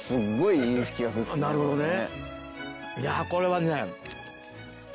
なるほどね。